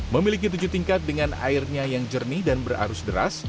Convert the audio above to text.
memiliki tujuh tingkat dengan airnya yang jernih dan berarus deras